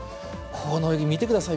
この泳ぎ見てください。